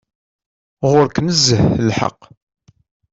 Ɣur-k nezzeh lḥeqq.